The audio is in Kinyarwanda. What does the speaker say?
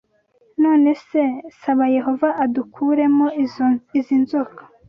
None saba Yehova adukuremo izi nzoka